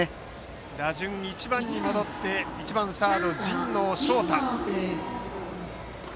打順１番に戻って１番サード、神農翔多。